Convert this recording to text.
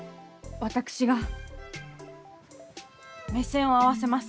私が目線を合わせます。